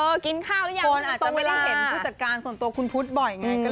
กินข้าวหรือยังคุณอาจจะไม่ได้เห็นผู้จัดการส่วนตัวคุณพุทธบ่อยไง